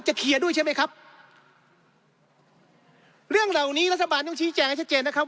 เคลียร์ด้วยใช่ไหมครับเรื่องเหล่านี้รัฐบาลต้องชี้แจงให้ชัดเจนนะครับ